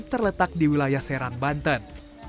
terletak di wilayah serang banten